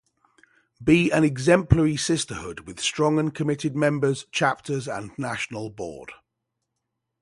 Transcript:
Be an exemplary sisterhood with strong and committed members, chapters and national board.